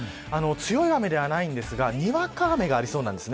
強い雨ではないですがにわか雨がありそうなんです。